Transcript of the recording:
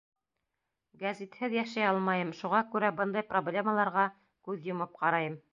Гәзитһеҙ йәшәй алмайым, шуға күрә бындай проблемаларға күҙ йомоп ҡарайым.